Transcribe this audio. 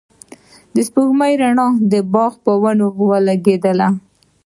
د سپوږمۍ رڼا د باغ په ونو لګېدله.